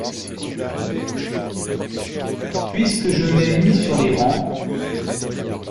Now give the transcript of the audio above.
Puisque je m’ai mis sur les rangs…